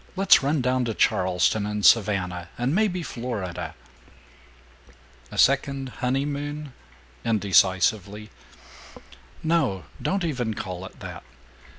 Let's run down to Charleston and Savannah and maybe Florida. "A second honeymoon?" indecisively. "No. Don't even call it that.